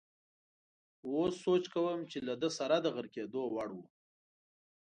اوس سوچ کوم چې له ده سره د غرقېدو وړ وو.